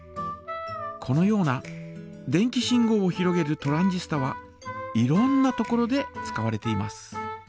このような電気信号をひろげるトランジスタはいろんなところで使われています。